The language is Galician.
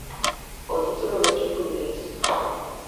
O título do equipo inglés.